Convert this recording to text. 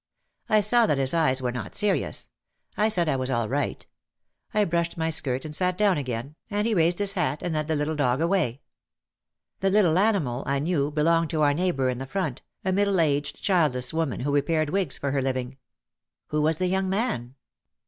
I saw that his eyes were not serious. I said I was all right. I brushed my skirt and sat down again, and he raised his hat and led the little dog away. The little animal I knew belonged to our neighbour in the front, a middle aged, childless woman who repaired wigs for her living. "Who was the young man?"